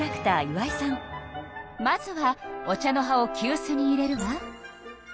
まずはお茶の葉をきゅうすに入れるわ。